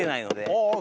ああ。